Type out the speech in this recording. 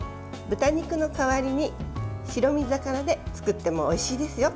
豚肉の代わりに白身魚で作ってもおいしいですよ。